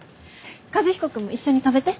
和彦君も一緒に食べて。